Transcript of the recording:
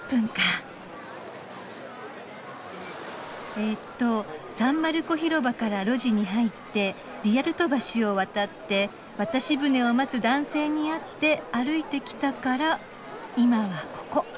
えとサン・マルコ広場から路地に入ってリアルト橋を渡って渡し舟を待つ男性に会って歩いてきたから今はここ。